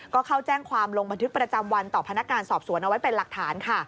ก็เข้าแจ้งความลงบันทึกประจำวันต่อพนักงานสอบสวนเอาไว้เป็นหลักฐานค่ะ